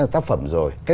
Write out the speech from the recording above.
tác phẩm rồi